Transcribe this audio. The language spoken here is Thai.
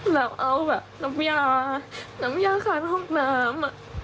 แล้วเอาแบบน้ำยาน้ำยาขาดออกน้ำ